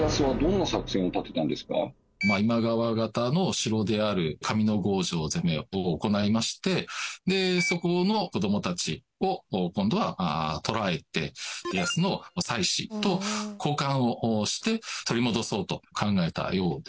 今川方の城である上ノ郷城攻めを行いましてでそこの子供たちを今度は捕らえて家康の妻子と交換をして取り戻そうと考えたようですね。